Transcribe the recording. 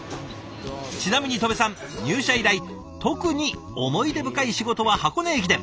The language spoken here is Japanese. ちなみに戸部さん入社以来特に思い出深い仕事は箱根駅伝。